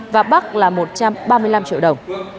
và bắc là một trăm ba mươi năm triệu đồng